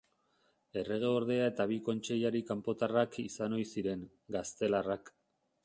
Erregeordea eta bi kontseilari kanpotarrak izan ohi ziren, gaztelarrak.